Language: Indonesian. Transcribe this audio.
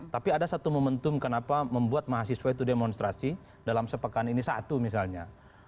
tapi ada satu momentum kenapa membuat mahasiswa itu demonstrasi dalam sepekan ini satu misalnya